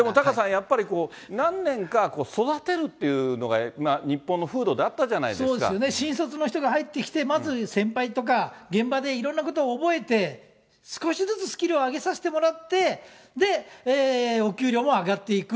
やっぱり、何年か育てるっていうのが、日本の風そうですよね、新卒の人が入ってきて、まず先輩とか、現場でいろんなことを覚えて、少しずつスキルを上げさせてもらって、で、お給料も上がっていく。